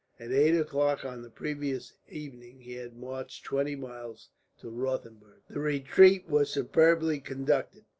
At eight o'clock on the previous evening he had marched twenty miles to Rothenburg. The retreat was superbly conducted.